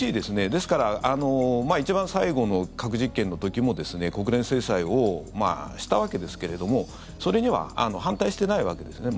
ですから一番最後の核実験の時も国連制裁をしたわけですけれどもそれには反対してないわけですね。